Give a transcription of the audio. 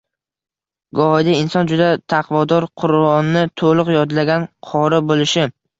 Gohida inson juda taqvodor, Quronni to‘liq yodlagan qori bo‘lishi